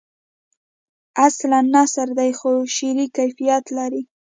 اصلاً نثر دی خو شعری کیفیت لري.